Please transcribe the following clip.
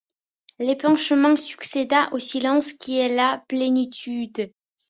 L’épanchement succéda au silence qui est la plénitude.